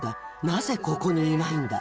「なぜここにいないんだ？」